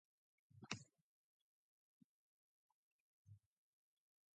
The first of the sections published by Selden has subsequently disappeared.